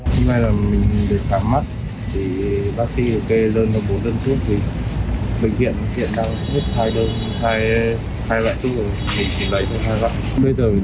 bệnh nhân này sau khi thăm khám được bác sĩ kê bốn loại thuốc của bệnh viện thì nhân viên quẩy thuốc trả lời